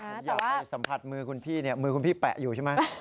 ผมอยากไปสัมผัสมือคุณพี่เนี่ยมือคุณพี่แปะอยู่ใช่ไหม